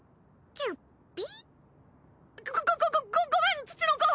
キュピ。